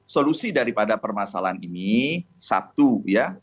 solusi daripada permasalahan ini satu ya